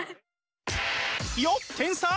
よっ天才！